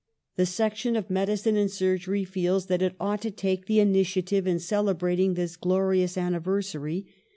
"The section of medicine and surgery feels that it ought to take the initiative in celebrating this glorious anniversary.